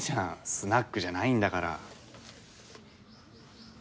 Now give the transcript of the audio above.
スナックじゃないんだから。